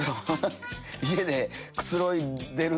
家でくつろいでる。